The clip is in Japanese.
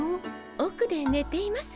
おくでねています。